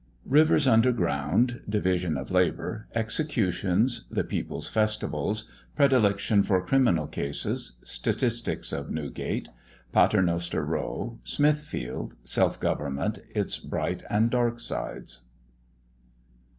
RIVERS UNDER GROUND. DIVISION OF LABOUR. EXECUTIONS. THE PEOPLE'S FESTIVALS. PREDILECTION FOR CRIMINAL CASES. STATISTICS OF NEWGATE. PATERNOSTER ROW. SMITHFIELD. SELF GOVERNMENT, ITS BRIGHT AND DARK SIDES.